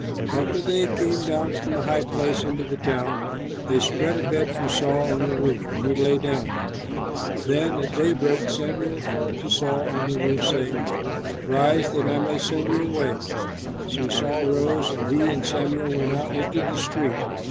After they came down from the high place into the town, they spread a bed for Saul on the roof, and he lay down. Then at daybreak Samuel called to Saul on the roof, saying, "Rise, that I may send you away." So Saul rose, and he and Samuel went out into the street.